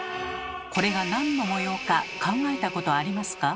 これがなんの模様か考えたことありますか？